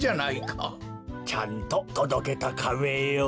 ちゃんととどけたカメよ。